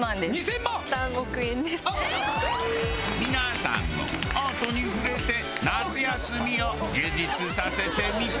皆さんもアートに触れて夏休みを充実させてみては？